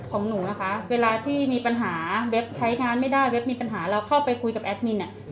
ของหนูนะคะเวลาที่มีปัญหาเว็บใช้งานไม่ได้เว็บมีปัญหาเราเข้าไปคุยกับแอดมินเนี่ย